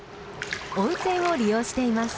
温泉を利用しています。